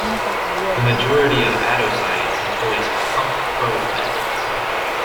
The majority of attoscience employs pump-probe methods.